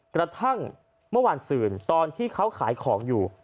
กระทั่งเมื่อวานสื่นตอนที่เขาขายของอยู่